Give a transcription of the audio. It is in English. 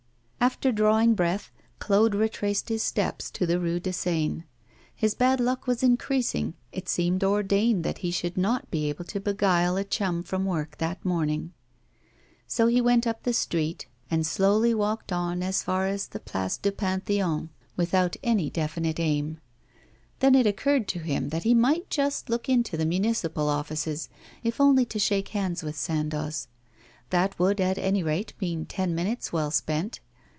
After drawing breath, Claude retraced his steps to the Rue de Seine. His bad luck was increasing; it seemed ordained that he should not be able to beguile a chum from work that morning. So he went up the street, and slowly walked on as far as the Place du Pantheon, without any definite aim. Then it occurred to him that he might just look into the Municipal Offices, if only to shake hands with Sandoz. That would, at any rate, mean ten minutes well spent.